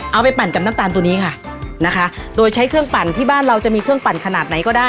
ปั่นกับน้ำตาลตัวนี้ค่ะนะคะโดยใช้เครื่องปั่นที่บ้านเราจะมีเครื่องปั่นขนาดไหนก็ได้